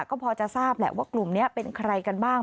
ก็พอจะทราบแหละว่ากลุ่มนี้เป็นใครกันบ้าง